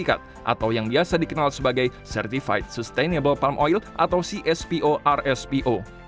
atau yang biasa dikenal sebagai certified sustainable palm oil atau cspo rspo